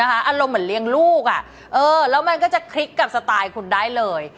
อารมณ์เหมือนเลี้ยงลูกแล้วมันก็จะคลิกกับสไตล์คุณได้เลย